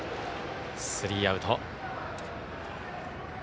スリーアウト。